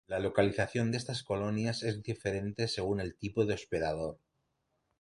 La localización de estas colonias es diferente según el tipo de hospedador.